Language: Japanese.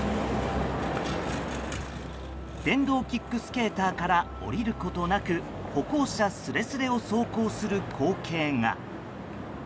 電動キックスケーターから降りることなく歩行者すれすれを走行する光景が。